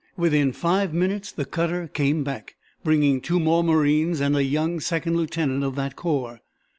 Within five minutes the cutter came back, bringing two more marines and a young second lieutenant of that corps.